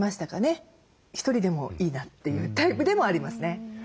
１人でもいいなというタイプでもありますね。